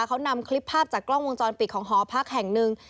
เขานำคลิปภาพจากกล้องวงจรปิดของหอพักแห่งหนึ่ง